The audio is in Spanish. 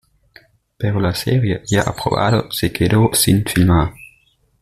Pero la serie, ya aprobada, se quedó sin filmar.